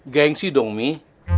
gengsi dong mih